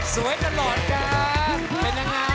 สวัสดีครับ